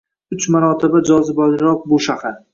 Uch marotaba jozibaliroq bu shahar.